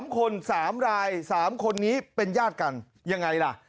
๓คน๓ราย๓คนนี้เป็นญาติกันยังไงล่ะ